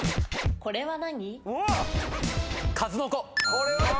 これは何？